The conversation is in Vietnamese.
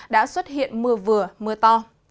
đã xuất hiện mưa vừa mưa to